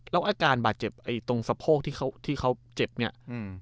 แล้วอาการบาดเจ็บตรงสะโพกที่เขาเจ็บเนี่ย